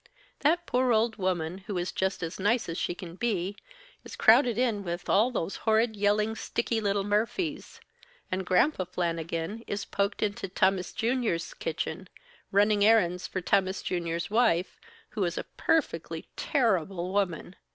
That poor old woman, who is just as nice as she can be, is crowded in with all those horrid, yelling, sticky little Murphys; and Granpa Flannigan is poked into Tammas Junior's kitchen, running errands for Tammas Junior's wife, who is a per fect ly terrible woman.